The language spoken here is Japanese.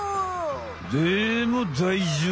でもだいじょうぶい！